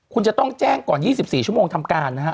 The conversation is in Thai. คุณจะต้องแจ้งก่อน๒๔ชั่วโมงทำการนะฮะ